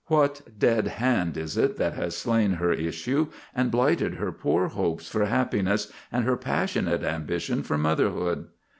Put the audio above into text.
What 'dead hand' is it that has slain her issue and blighted her poor hopes for happiness and her passionate ambition for motherhood?"